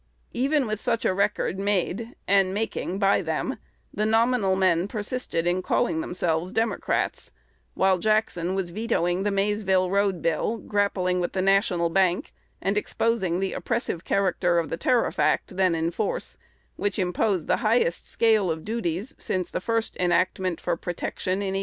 Even with such a record made and making by them, the "nominal men" persisted in calling themselves Democrats, while Jackson was vetoing the Maysville Road Bill, grappling with the National Bank, and exposing the oppressive character of the Tariff Act then in force, which imposed the highest scale of duties since the first enactment for "protection" in 1816.